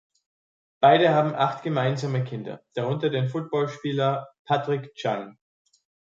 Beide haben acht gemeinsame Kinder, darunter den Footballspieler Patrick Chung.